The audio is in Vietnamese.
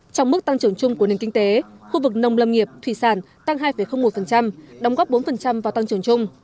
trong mức tăng trưởng chung của nền kinh tế khu vực nông lâm nghiệp thủy sản tăng hai một đóng góp bốn vào tăng trưởng chung